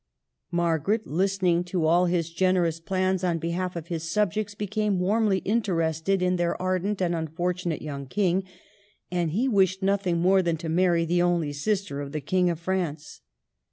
Margaret, listening to all his generous plans on behalf of his subjects, became warmly interested in their ardent and unfortunate young king ; and he wished nothing more than to marry the only sister of the King of France.